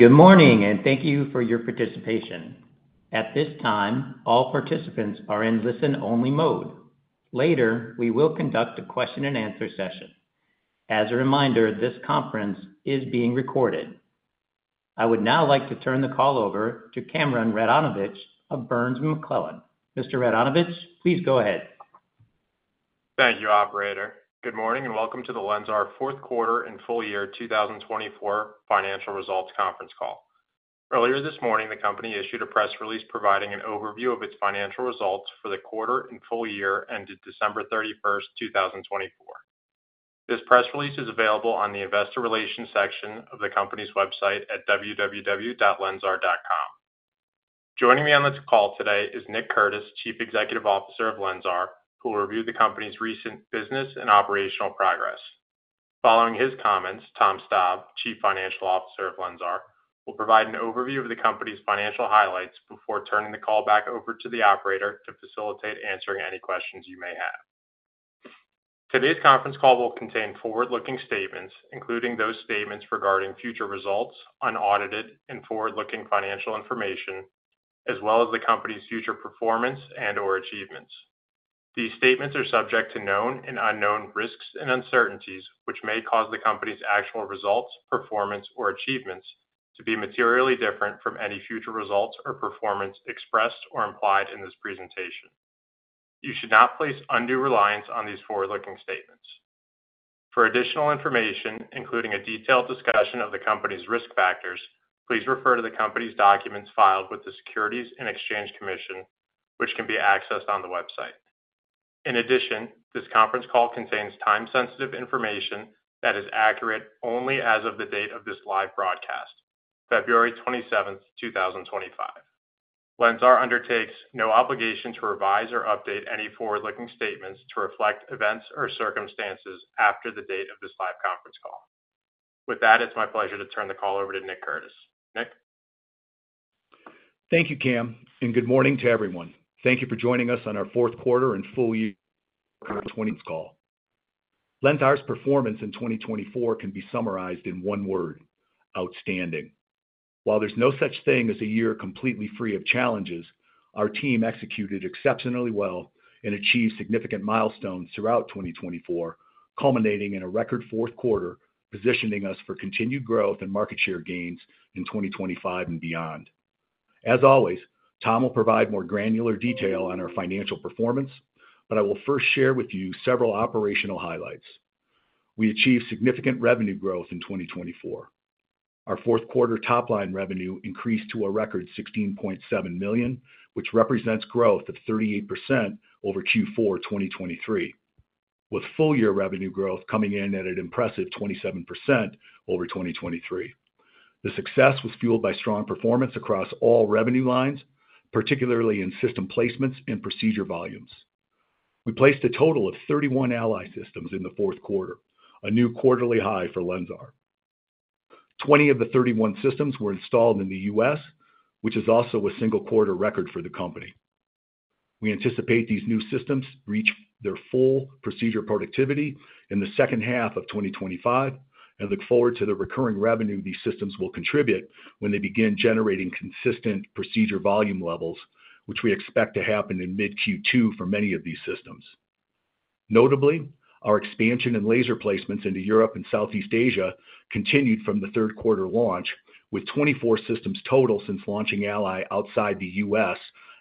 Good morning, and thank you for your participation. At this time, all participants are in listen-only mode. Later, we will conduct a question-and-answer session. As a reminder, this conference is being recorded. I would now like to turn the call over to Cameron Radonovich of Burns McClellan. Mr. Radonovich, please go ahead. Thank you, Operator. Good morning and welcome to the LENSAR fourth quarter and full year 2024 financial results conference call. Earlier this morning, the company issued a press release providing an overview of its financial results for the quarter and full year ended December 31, 2024. This press release is available on the investor relations section of the company's website at www.lensar.com. Joining me on the call today is Nick Curtis, Chief Executive Officer of LENSAR, who will review the company's recent business and operational progress. Following his comments, Tom Staab, Chief Financial Officer of LENSAR, will provide an overview of the company's financial highlights before turning the call back over to the Operator to facilitate answering any questions you may have. Today's conference call will contain forward-looking statements, including those statements regarding future results, unaudited, and forward-looking financial information, as well as the company's future performance and/or achievements. These statements are subject to known and unknown risks and uncertainties, which may cause the company's actual results, performance, or achievements to be materially different from any future results or performance expressed or implied in this presentation. You should not place undue reliance on these forward-looking statements. For additional information, including a detailed discussion of the company's risk factors, please refer to the company's documents filed with the Securities and Exchange Commission, which can be accessed on the website. In addition, this conference call contains time-sensitive information that is accurate only as of the date of this live broadcast, February 27th, 2025. LENSAR undertakes no obligation to revise or update any forward-looking statements to reflect events or circumstances after the date of this live conference call. With that, it's my pleasure to turn the call over to Nick Curtis. Nick? Thank you, Cam, and good morning to everyone. Thank you for joining us on our fourth quarter and full year conference call. LENSAR's performance in 2024 can be summarized in one word: outstanding. While there is no such thing as a year completely free of challenges, our team executed exceptionally well and achieved significant milestones throughout 2024, culminating in a record fourth quarter, positioning us for continued growth and market share gains in 2025 and beyond. As always, Tom will provide more granular detail on our financial performance, but I will first share with you several operational highlights. We achieved significant revenue growth in 2024. Our fourth quarter top-line revenue increased to a record $16.7 million, which represents growth of 38% over Q4 2023, with full-year revenue growth coming in at an impressive 27% over 2023. The success was fueled by strong performance across all revenue lines, particularly in system placements and procedure volumes. We placed a total of 31 ALLY systems in the fourth quarter, a new quarterly high for LENSAR. Twenty of the 31 systems were installed in the U.S., which is also a single quarter record for the company. We anticipate these new systems reaching their full procedure productivity in the second half of 2025 and look forward to the recurring revenue these systems will contribute when they begin generating consistent procedure volume levels, which we expect to happen in mid-Q2 for many of these systems. Notably, our expansion in laser placements into Europe and Southeast Asia continued from the third quarter launch, with 24 systems total since launching ALLY outside the U.S.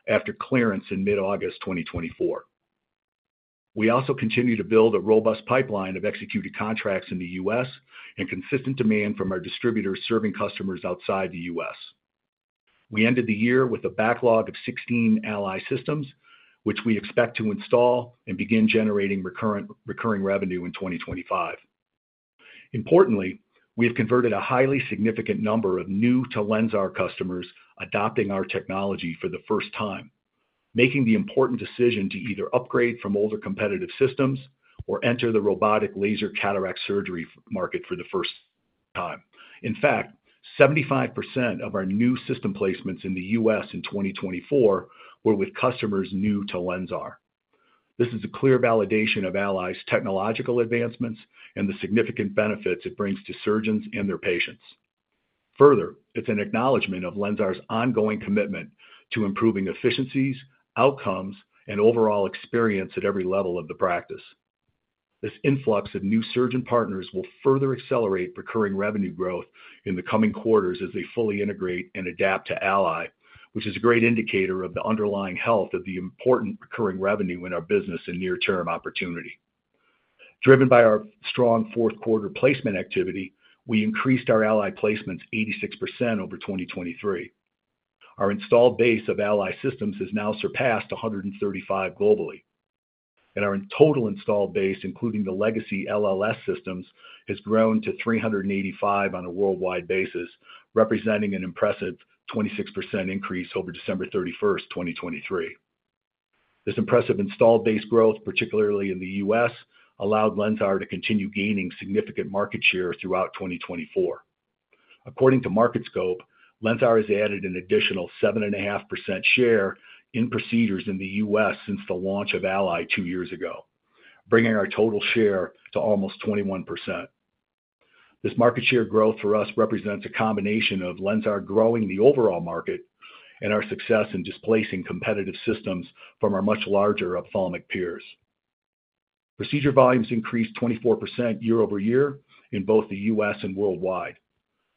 after clearance in mid-August 2024. We also continue to build a robust pipeline of executed contracts in the U.S. and consistent demand from our distributors serving customers outside the U.S. We ended the year with a backlog of 16 ALLY systems, which we expect to install and begin generating recurring revenue in 2025. Importantly, we have converted a highly significant number of new-to-LENSAR customers adopting our technology for the first time, making the important decision to either upgrade from older competitive systems or enter the robotic laser cataract surgery market for the first time. In fact, 75% of our new system placements in the U.S. in 2024 were with customers new to LENSAR. This is a clear validation of ALLY's technological advancements and the significant benefits it brings to surgeons and their patients. Further, it's an acknowledgment of LENSAR's ongoing commitment to improving efficiencies, outcomes, and overall experience at every level of the practice. This influx of new surgeon partners will further accelerate recurring revenue growth in the coming quarters as they fully integrate and adapt to ALLY, which is a great indicator of the underlying health of the important recurring revenue in our business and near-term opportunity. Driven by our strong fourth quarter placement activity, we increased our ALLY placements 86% over 2023. Our installed base of ALLY systems has now surpassed 135 globally, and our total installed base, including the legacy LLS systems, has grown to 385 on a worldwide basis, representing an impressive 26% increase over December 31, 2023. This impressive installed base growth, particularly in the U.S., allowed LENSAR to continue gaining significant market share throughout 2024. According to Market Scope, LENSAR has added an additional 7.5% share in procedures in the U.S. since the launch of ALLY two years ago, bringing our total share to almost 21%. This market share growth for us represents a combination of LENSAR growing the overall market and our success in displacing competitive systems from our much larger ophthalmic peers. Procedure volumes increased 24% year over year in both the U.S. and worldwide.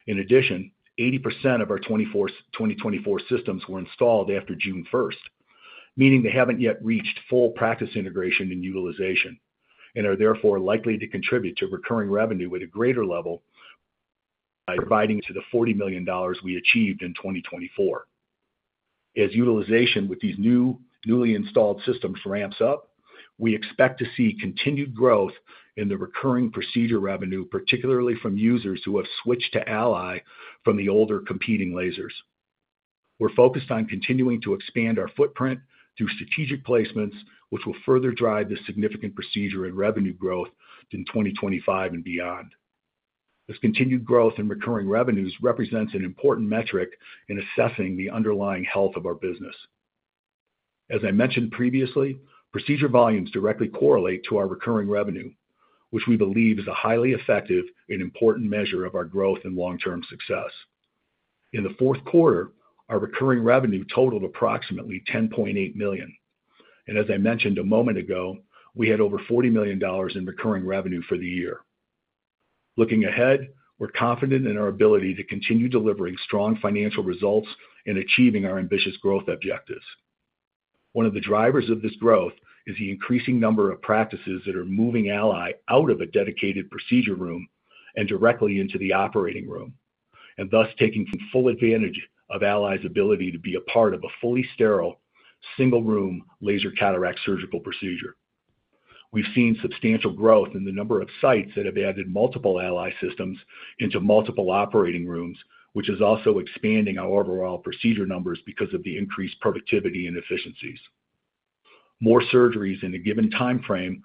In addition, 80% of our 2024 systems were installed after June 1, meaning they have not yet reached full practice integration and utilization, and are therefore likely to contribute to recurring revenue at a greater level by providing to the $40 million we achieved in 2024. As utilization with these newly installed systems ramps up, we expect to see continued growth in the recurring procedure revenue, particularly from users who have switched to ALLY from the older competing lasers. We are focused on continuing to expand our footprint through strategic placements, which will further drive the significant procedure and revenue growth in 2025 and beyond. This continued growth in recurring revenues represents an important metric in assessing the underlying health of our business. As I mentioned previously, procedure volumes directly correlate to our recurring revenue, which we believe is a highly effective and important measure of our growth and long-term success. In the fourth quarter, our recurring revenue totaled approximately $10.8 million. As I mentioned a moment ago, we had over $40 million in recurring revenue for the year. Looking ahead, we're confident in our ability to continue delivering strong financial results and achieving our ambitious growth objectives. One of the drivers of this growth is the increasing number of practices that are moving ALLY out of a dedicated procedure room and directly into the operating room, thus taking full advantage of ALLY's ability to be a part of a fully sterile, single-room laser cataract surgical procedure. We've seen substantial growth in the number of sites that have added multiple ALLY systems into multiple operating rooms, which is also expanding our overall procedure numbers because of the increased productivity and efficiencies. More surgeries in a given timeframe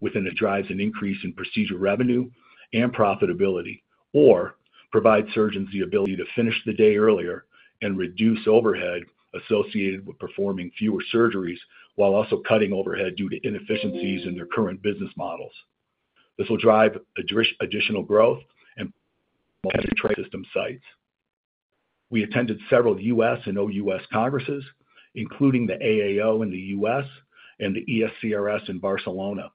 within it drives an increase in procedure revenue and profitability or provides surgeons the ability to finish the day earlier and reduce overhead associated with performing fewer surgeries while also cutting overhead due to inefficiencies in their current business models. This will drive additional growth and system sites. We attended several U.S. and OUS congresses, including the AAO in the U.S. and the ESCRS in Barcelona,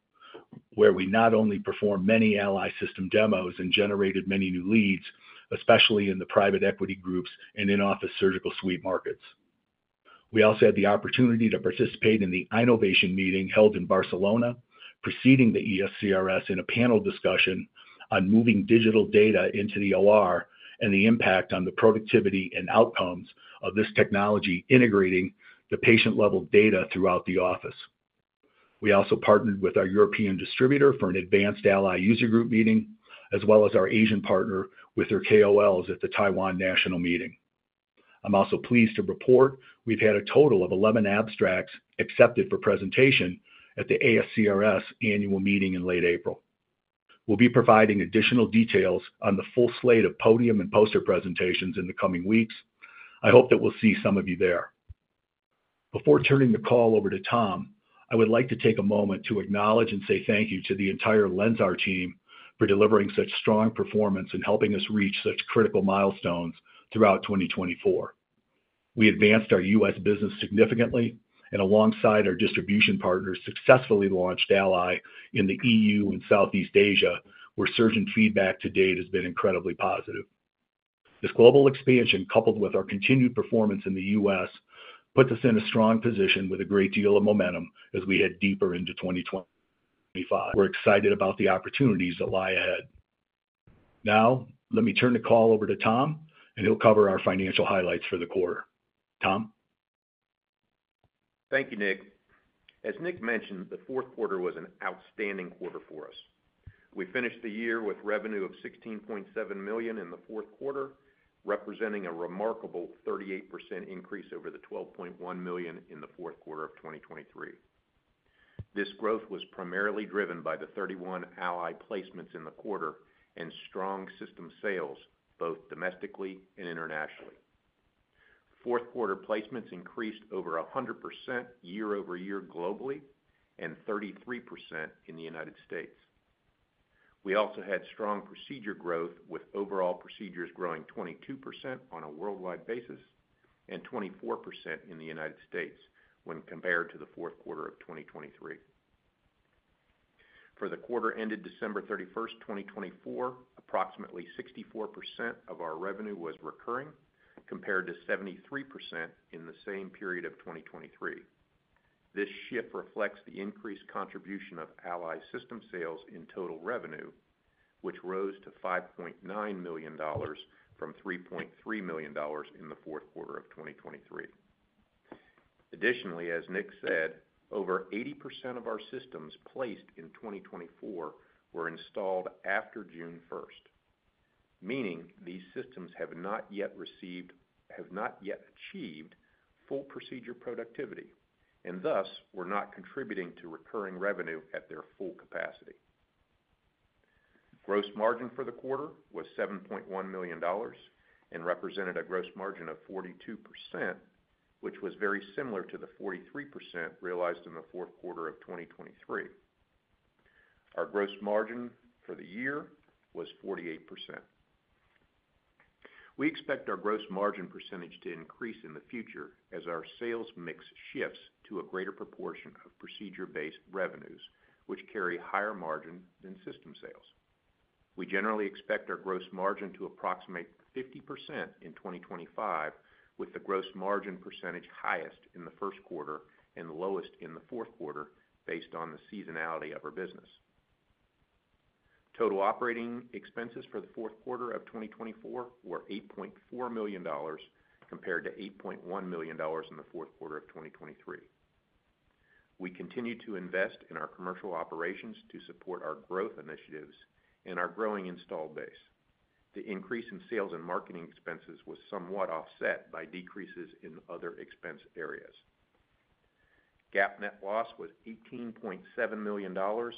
where we not only performed many ALLY system demos and generated many new leads, especially in the private equity groups and in-office surgical suite markets. We also had the opportunity to participate in the iNovation meeting held in Barcelona, preceding the ESCRS, in a panel discussion on moving digital data into the OR and the impact on the productivity and outcomes of this technology integrating the patient-level data throughout the office. We also partnered with our European distributor for an advanced ALLY user group meeting, as well as our Asian partner with their KOLs at the Taiwan National Meeting. I'm also pleased to report we've had a total of 11 abstracts accepted for presentation at the ASCRS annual meeting in late April. We'll be providing additional details on the full slate of podium and poster presentations in the coming weeks. I hope that we'll see some of you there. Before turning the call over to Tom, I would like to take a moment to acknowledge and say thank you to the entire LENSAR team for delivering such strong performance and helping us reach such critical milestones throughout 2024. We advanced our U.S. business significantly, and alongside our distribution partners, successfully launched ALLY in the EU and Southeast Asia, where surgeon feedback to date has been incredibly positive. This global expansion, coupled with our continued performance in the U.S., puts us in a strong position with a great deal of momentum as we head deeper into 2025. We're excited about the opportunities that lie ahead. Now, let me turn the call over to Tom, and he'll cover our financial highlights for the quarter. Tom? Thank you, Nick. As Nick mentioned, the fourth quarter was an outstanding quarter for us. We finished the year with revenue of $16.7 million in the fourth quarter, representing a remarkable 38% increase over the $12.1 million in the fourth quarter of 2023. This growth was primarily driven by the 31 ALLY placements in the quarter and strong system sales, both domestically and internationally. Fourth quarter placements increased over 100% year over year globally and 33% in the U.S. We also had strong procedure growth, with overall procedures growing 22% on a worldwide basis and 24% in the U.S. when compared to the fourth quarter of 2023. For the quarter ended December 31, 2024, approximately 64% of our revenue was recurring, compared to 73% in the same period of 2023. This shift reflects the increased contribution of ALLY system sales in total revenue, which rose to $5.9 million from $3.3 million in the fourth quarter of 2023. Additionally, as Nick said, over 80% of our systems placed in 2024 were installed after June 1st, meaning these systems have not yet achieved full procedure productivity and thus were not contributing to recurring revenue at their full capacity. Gross margin for the quarter was $7.1 million and represented a gross margin of 42%, which was very similar to the 43% realized in the fourth quarter of 2023. Our gross margin for the year was 48%. We expect our gross margin percentage to increase in the future as our sales mix shifts to a greater proportion of procedure-based revenues, which carry higher margin than system sales. We generally expect our gross margin to approximate 50% in 2025, with the gross margin percentage highest in the first quarter and lowest in the fourth quarter, based on the seasonality of our business. Total operating expenses for the fourth quarter of 2024 were $8.4 million, compared to $8.1 million in the fourth quarter of 2023. We continue to invest in our commercial operations to support our growth initiatives and our growing installed base. The increase in sales and marketing expenses was somewhat offset by decreases in other expense areas. GAAP net loss was $18.7 million or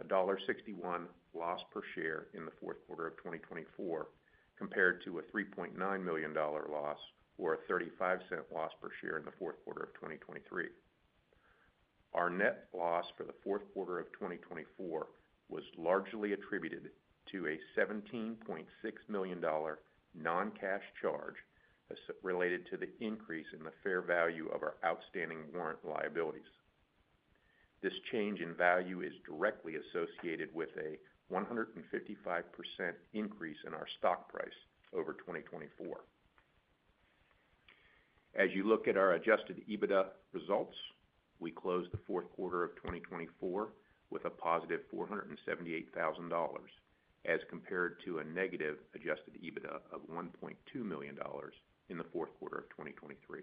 a $1.61 loss per share in the fourth quarter of 2024, compared to a $3.9 million loss or a $0.35 loss per share in the fourth quarter of 2023. Our net loss for the fourth quarter of 2024 was largely attributed to a $17.6 million non-cash charge related to the increase in the fair value of our outstanding warrant liabilities. This change in value is directly associated with a 155% increase in our stock price over 2024. As you look at our adjusted EBITDA results, we closed the fourth quarter of 2024 with a positive $478,000, as compared to a negative adjusted EBITDA of $1.2 million in the fourth quarter of 2023.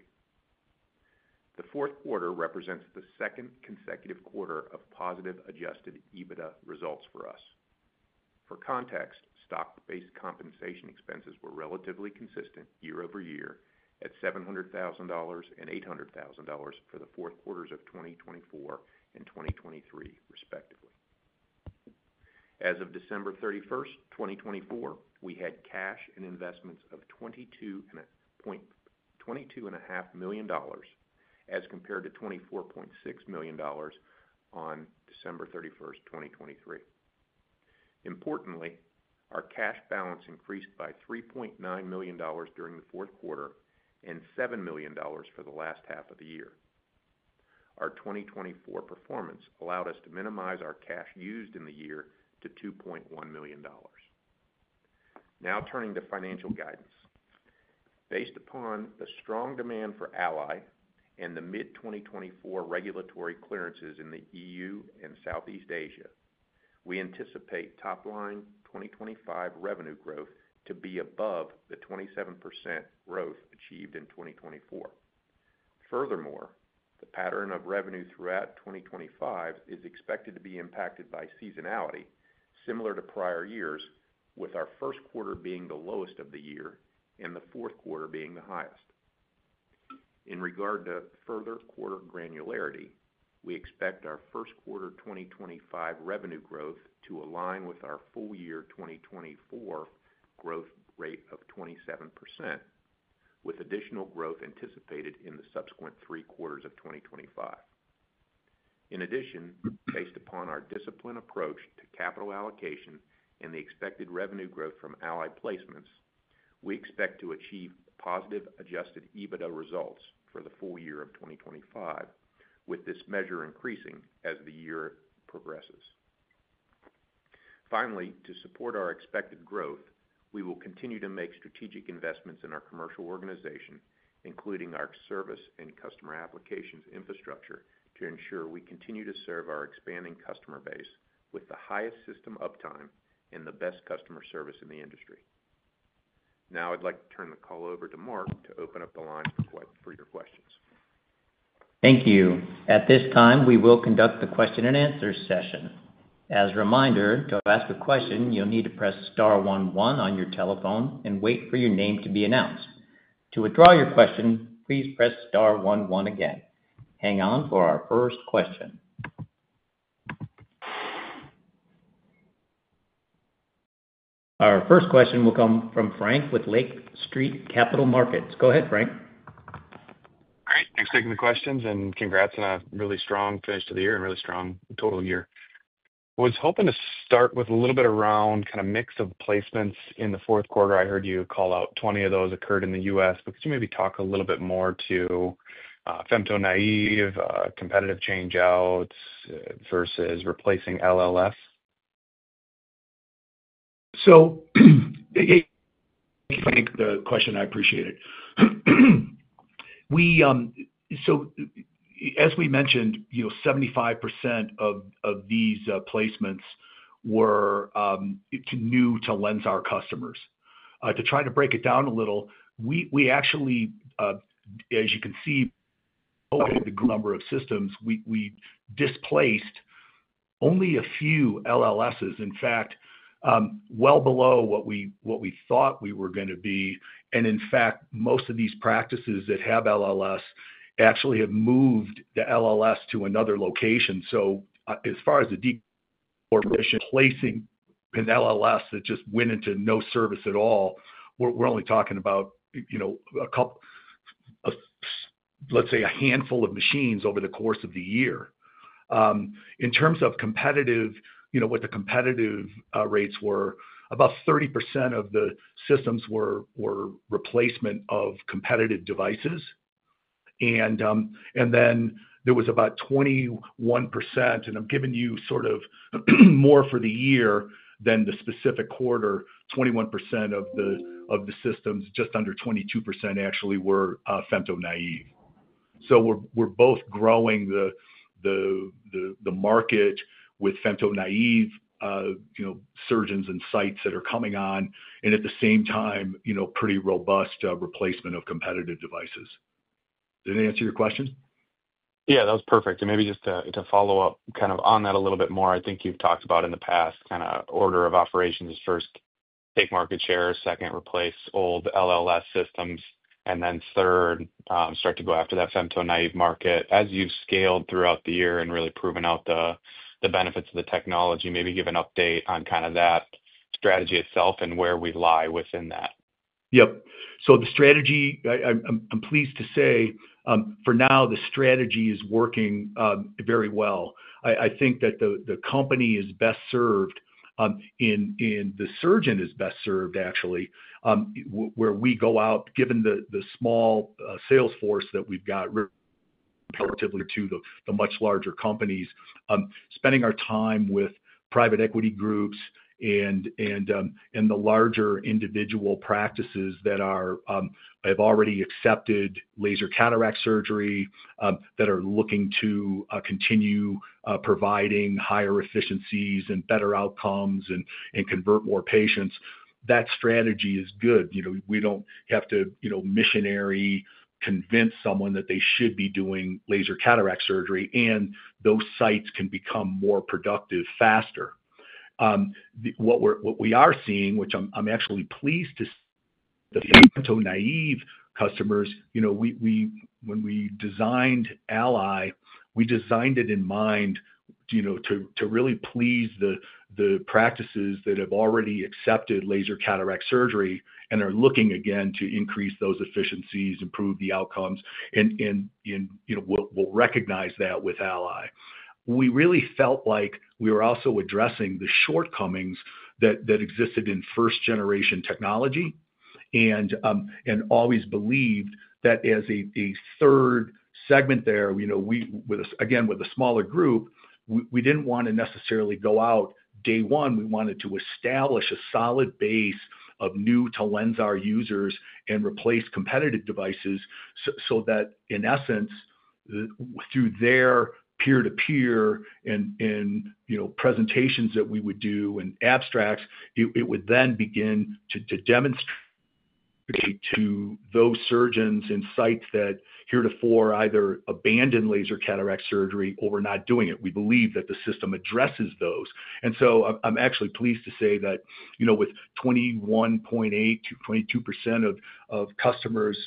The fourth quarter represents the second consecutive quarter of positive adjusted EBITDA results for us. For context, stock-based compensation expenses were relatively consistent year over year at $700,000 and $800,000 for the fourth quarters of 2024 and 2023, respectively. As of December 31st, 2024, we had cash and investments of $22.5 million, as compared to $24.6 million on December 31st, 2023. Importantly, our cash balance increased by $3.9 million during the fourth quarter and $7 million for the last half of the year. Our 2024 performance allowed us to minimize our cash used in the year to $2.1 million. Now turning to financial guidance. Based upon the strong demand for ALLY and the mid-2024 regulatory clearances in the EU and Southeast Asia, we anticipate top-line 2025 revenue growth to be above the 27% growth achieved in 2024. Furthermore, the pattern of revenue throughout 2025 is expected to be impacted by seasonality, similar to prior years, with our first quarter being the lowest of the year and the fourth quarter being the highest. In regard to further quarter granularity, we expect our first quarter 2025 revenue growth to align with our full year 2024 growth rate of 27%, with additional growth anticipated in the subsequent three quarters of 2025. In addition, based upon our disciplined approach to capital allocation and the expected revenue growth from ALLY placements, we expect to achieve positive adjusted EBITDA results for the full year of 2025, with this measure increasing as the year progresses. Finally, to support our expected growth, we will continue to make strategic investments in our commercial organization, including our service and customer applications infrastructure, to ensure we continue to serve our expanding customer base with the highest system uptime and the best customer service in the industry. Now I'd like to turn the call over to Mark to open up the line for your questions. Thank you. At this time, we will conduct the question and answer session. As a reminder, to ask a question, you'll need to press star 11 on your telephone and wait for your name to be announced. To withdraw your question, please press star 11 again. Hang on for our first question. Our first question will come from Frank with Lake Street Capital Markets. Go ahead, Frank. All right. Thanks for taking the questions. Congrats on a really strong finish to the year and really strong total year. I was hoping to start with a little bit around kind of mix of placements in the fourth quarter. I heard you call out 20 of those occurred in the U.S. Could you maybe talk a little bit more to femto-naive, competitive changeouts versus replacing LLS? Thank you, Frank, for the question. I appreciate it. As we mentioned, 75% of these placements were new to LENSAR customers. To try to break it down a little, we actually, as you can see by the number of systems, displaced only a few LLSs, in fact, well below what we thought we were going to be. In fact, most of these practices that have LLSs actually have moved the LLSs to another location. As far as the deep replacing an LLS that just went into no service at all, we're only talking about, let's say, a handful of machines over the course of the year. In terms of what the competitive rates were, about 30% of the systems were replacement of competitive devices. There was about 21%, and I'm giving you sort of more for the year than the specific quarter, 21% of the systems, just under 22% actually were femto-naive. We are both growing the market with femto-naive surgeons and sites that are coming on, and at the same time, pretty robust replacement of competitive devices. Did that answer your question? Yeah, that was perfect. Maybe just to follow up kind of on that a little bit more, I think you've talked about in the past kind of order of operations. First, take market share. Second, replace old LLS systems. Third, start to go after that femto-naive market. As you've scaled throughout the year and really proven out the benefits of the technology, maybe give an update on kind of that strategy itself and where we lie within that. Yep. The strategy, I'm pleased to say, for now, the strategy is working very well. I think that the company is best served, and the surgeon is best served, actually, where we go out, given the small salesforce that we've got relative to the much larger companies, spending our time with private equity groups and the larger individual practices that have already accepted laser cataract surgery, that are looking to continue providing higher efficiencies and better outcomes and convert more patients. That strategy is good. We don't have to missionary convince someone that they should be doing laser cataract surgery, and those sites can become more productive faster. What we are seeing, which I'm actually pleased to see, the femto-naive customers, when we designed ALLY, we designed it in mind to really please the practices that have already accepted laser cataract surgery and are looking again to increase those efficiencies, improve the outcomes, and will recognize that with ALLY. We really felt like we were also addressing the shortcomings that existed in first-generation technology and always believed that as a third segment there, again, with a smaller group, we didn't want to necessarily go out day one. We wanted to establish a solid base of new to LENSAR users and replace competitive devices so that, in essence, through their peer-to-peer and presentations that we would do and abstracts, it would then begin to demonstrate to those surgeons and sites that heretofore either abandoned laser cataract surgery or were not doing it. We believe that the system addresses those. I'm actually pleased to say that with 21.8-22% of customers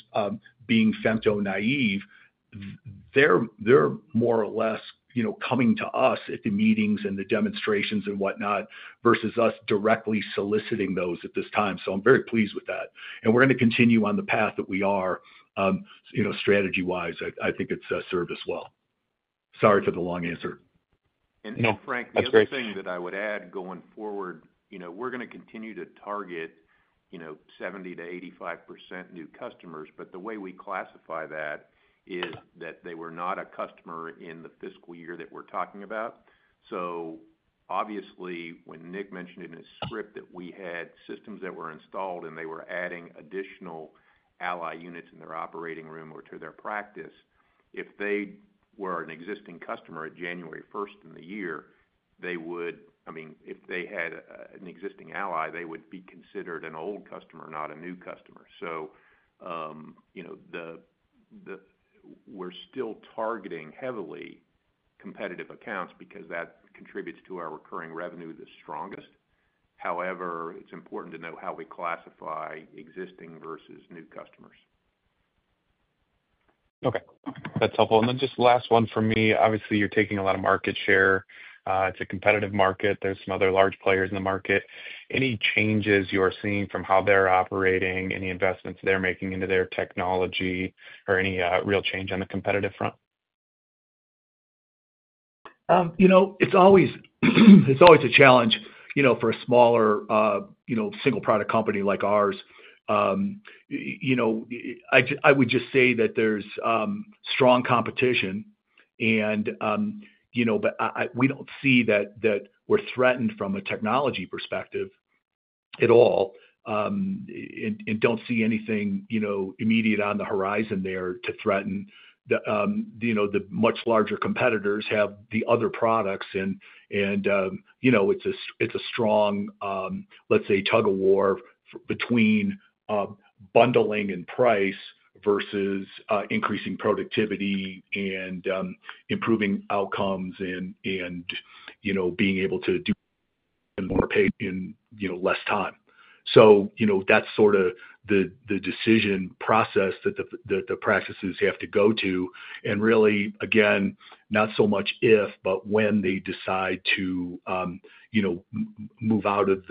being femto-naive, they're more or less coming to us at the meetings and the demonstrations and whatnot versus us directly soliciting those at this time. I'm very pleased with that. We're going to continue on the path that we are, strategy-wise. I think it's served us well. Sorry for the long answer. Frank, the other thing that I would add going forward, we're going to continue to target 70-85% new customers. The way we classify that is that they were not a customer in the fiscal year that we're talking about. Obviously, when Nick mentioned in his script that we had systems that were installed and they were adding additional ALLY units in their operating room or to their practice, if they were an existing customer at January 1 in the year, I mean, if they had an existing ALLY, they would be considered an old customer, not a new customer. We're still targeting heavily competitive accounts because that contributes to our recurring revenue the strongest. However, it's important to know how we classify existing versus new customers. Okay. That's helpful. Just last one for me. Obviously, you're taking a lot of market share. It's a competitive market. There are some other large players in the market. Any changes you are seeing from how they're operating, any investments they're making into their technology, or any real change on the competitive front? It's always a challenge for a smaller single-product company like ours. I would just say that there's strong competition, but we don't see that we're threatened from a technology perspective at all and don't see anything immediate on the horizon there to threaten. The much larger competitors have the other products. It's a strong, let's say, tug-of-war between bundling and price versus increasing productivity and improving outcomes and being able to do more paid in less time. That's sort of the decision process that the practices have to go to. Really, again, not so much if, but when they decide to move out of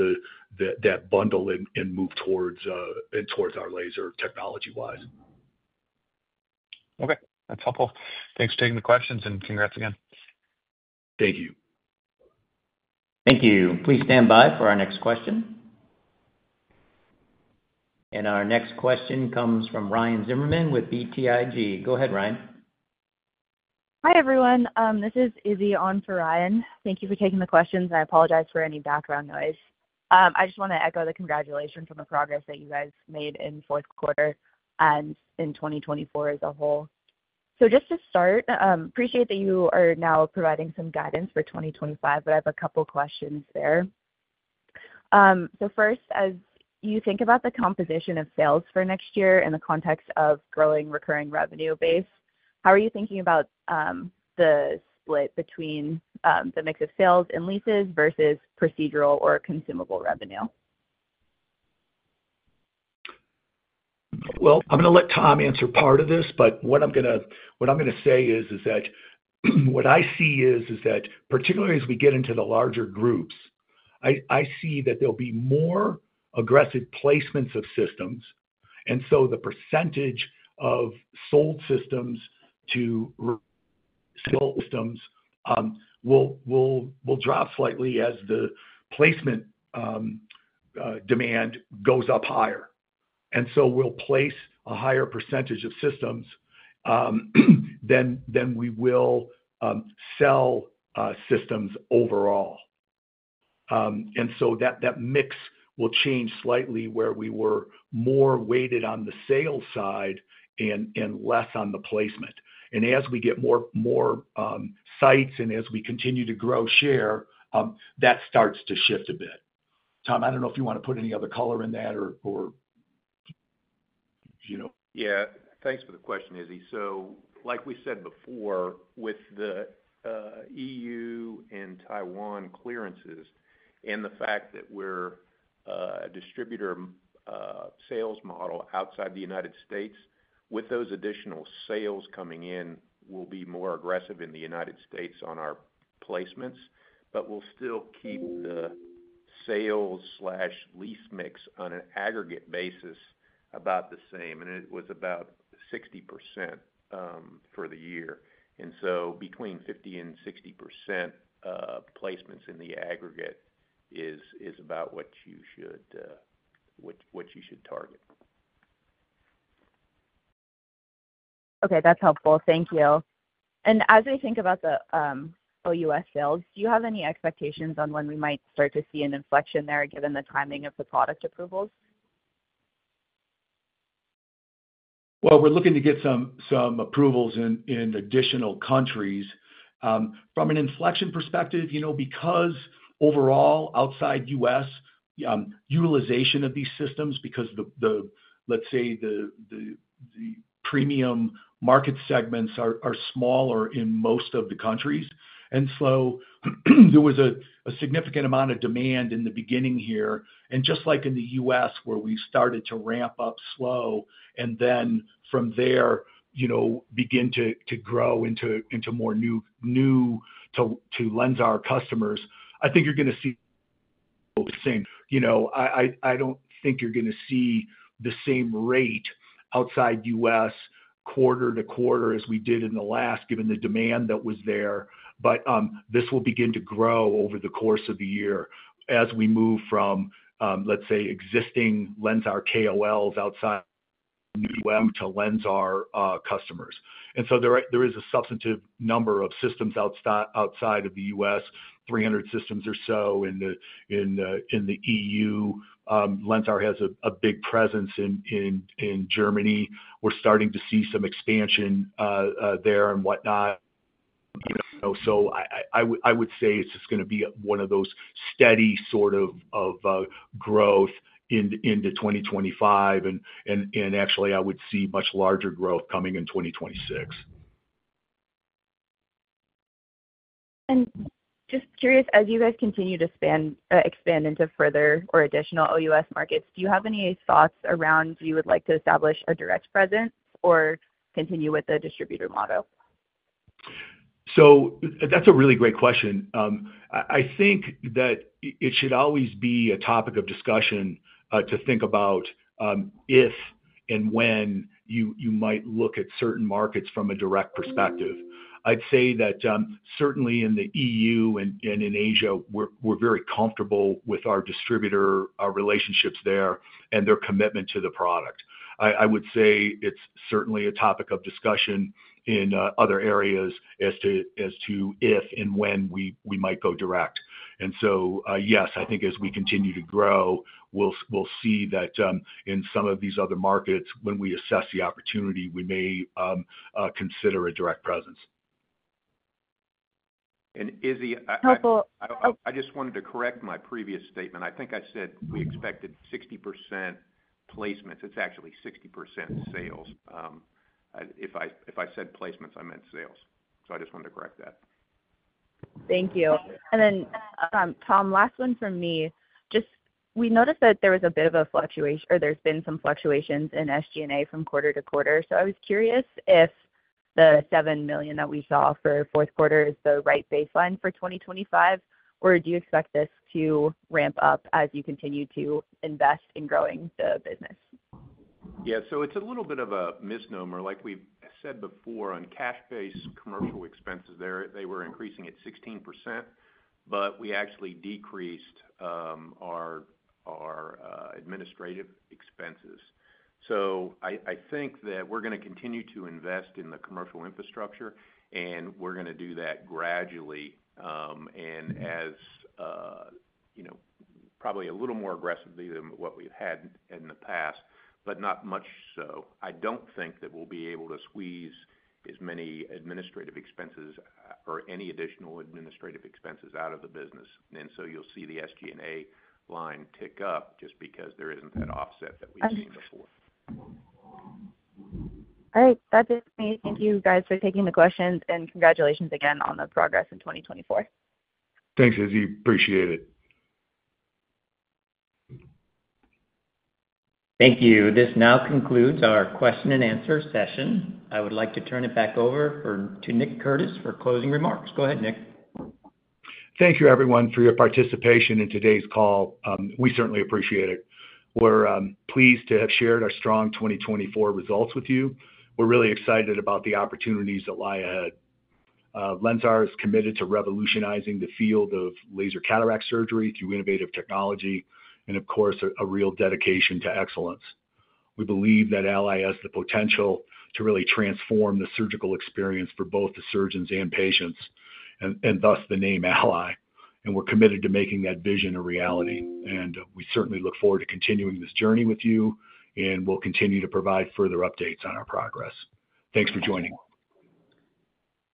that bundle and move towards our laser technology-wise. Okay. That's helpful. Thanks for taking the questions. And congrats again. Thank you. Thank you. Please stand by for our next question. Our next question comes from Ryan Zimmerman with BTIG. Go ahead, Ryan. Hi everyone. This is Izzy on for Ryan. Thank you for taking the questions. I apologize for any background noise. I just want to echo the congratulations on the progress that you guys made in the fourth quarter and in 2024 as a whole. Just to start, I appreciate that you are now providing some guidance for 2025, but I have a couple of questions there. First, as you think about the composition of sales for next year in the context of growing recurring revenue base, how are you thinking about the split between the mix of sales and leases versus procedural or consumable revenue? I'm going to let Tom answer part of this, but what I'm going to say is that what I see is that particularly as we get into the larger groups, I see that there'll be more aggressive placements of systems. The percentage of sold systems to resale systems will drop slightly as the placement demand goes up higher. We'll place a higher percentage of systems than we will sell systems overall. That mix will change slightly where we were more weighted on the sales side and less on the placement. As we get more sites and as we continue to grow share, that starts to shift a bit. Tom, I don't know if you want to put any other color in that or. Yeah. Thanks for the question, Izzy. Like we said before, with the EU and Taiwan clearances and the fact that we're a distributor sales model outside the U.S., with those additional sales coming in, we'll be more aggressive in the U.S. on our placements, but we'll still keep the sales/lease mix on an aggregate basis about the same. It was about 60% for the year. Between 50-60% placements in the aggregate is about what you should target. Okay. That's helpful. Thank you. As we think about the OUS sales, do you have any expectations on when we might start to see an inflection there given the timing of the product approvals? We are looking to get some approvals in additional countries. From an inflection perspective, because overall outside U.S. utilization of these systems, because let's say the premium market segments are smaller in most of the countries. There was a significant amount of demand in the beginning here. Just like in the U.S., where we started to ramp up slow and then from there begin to grow into more new to LENSAR customers, I think you are going to see the same. I do not think you are going to see the same rate outside U.S. quarter to quarter as we did in the last, given the demand that was there. This will begin to grow over the course of the year as we move from, let's say, existing LENSAR KOLs outside the U.S. to LENSAR customers. There is a substantive number of systems outside of the U.S., 300 systems or so in the EU. LENSAR has a big presence in Germany. We're starting to see some expansion there and whatnot. I would say it's just going to be one of those steady sort of growth into 2025. Actually, I would see much larger growth coming in 2026. Just curious, as you guys continue to expand into further or additional OUS markets, do you have any thoughts around you would like to establish a direct presence or continue with the distributor model? That's a really great question. I think that it should always be a topic of discussion to think about if and when you might look at certain markets from a direct perspective. I'd say that certainly in the EU and in Asia, we're very comfortable with our distributor, our relationships there, and their commitment to the product. I would say it's certainly a topic of discussion in other areas as to if and when we might go direct. Yes, I think as we continue to grow, we'll see that in some of these other markets, when we assess the opportunity, we may consider a direct presence. And Izzy. Helpful. I just wanted to correct my previous statement. I think I said we expected 60% placements. It's actually 60% sales. If I said placements, I meant sales. I just wanted to correct that. Thank you. Tom, last one from me. Just we noticed that there was a bit of a fluctuation or there's been some fluctuations in SG&A from quarter to quarter. I was curious if the $7 million that we saw for fourth quarter is the right baseline for 2025, or do you expect this to ramp up as you continue to invest in growing the business? Yeah. It is a little bit of a misnomer. Like we've said before on cash-based commercial expenses, they were increasing at 16%, but we actually decreased our administrative expenses. I think that we're going to continue to invest in the commercial infrastructure, and we're going to do that gradually and as probably a little more aggressively than what we've had in the past, but not much so. I do not think that we'll be able to squeeze as many administrative expenses or any additional administrative expenses out of the business. You will see the SG&A line tick up just because there is not that offset that we've seen before. All right. That's it for me. Thank you guys for taking the questions and congratulations again on the progress in 2024. Thanks, Izzy. Appreciate it. Thank you. This now concludes our question and answer session. I would like to turn it back over to Nick Curtis for closing remarks. Go ahead, Nick. Thank you, everyone, for your participation in today's call. We certainly appreciate it. We're pleased to have shared our strong 2024 results with you. We're really excited about the opportunities that lie ahead. LENSAR is committed to revolutionizing the field of laser cataract surgery through innovative technology and, of course, a real dedication to excellence. We believe that ALLY has the potential to really transform the surgical experience for both the surgeons and patients and thus the name ALLY. We're committed to making that vision a reality. We certainly look forward to continuing this journey with you, and we'll continue to provide further updates on our progress. Thanks for joining.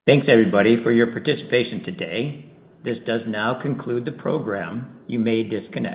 Thanks, everybody, for your participation today. This does now conclude the program. You may disconnect.